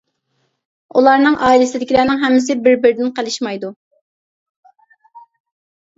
ئۇلارنىڭ ئائىلىسىدىكىلەرنىڭ ھەممىسى بىر بىرىدىن قېلىشمايدۇ.